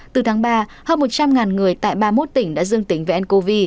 từ tháng ba hơn một trăm linh người tại ba mươi một tỉnh đã dương tính với ncov